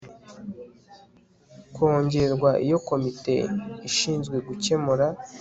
kongerwa iyo komite ishinzwe gukemura